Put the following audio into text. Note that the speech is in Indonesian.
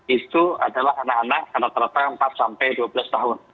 itu adalah anak anak karena terletak empat sampai dua belas tahun